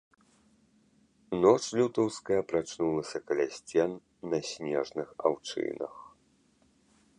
Ноч лютаўская прачнулася каля сцен на снежных аўчынах.